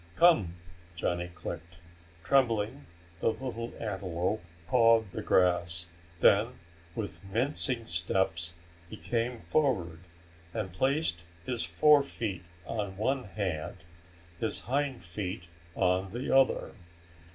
"Come," Johnny clicked. Trembling, the little antelope pawed the grass. Then with mincing steps he came forward and placed his forefeet on one hand, his hind feet on the other.